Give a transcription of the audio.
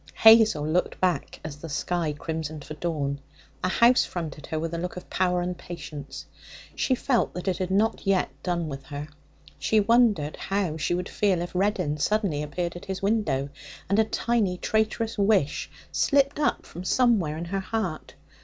Hazel looked back as the sky crimsoned for dawn. The house fronted her with a look of power and patience. She felt that it had not yet done with her. She wondered how she would feel if Reddin suddenly appeared at his window. And a tiny traitorous wish slipped up from somewhere in her heart.